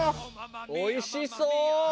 おいしそう！